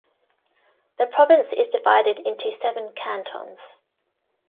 The province is divided into seven cantons.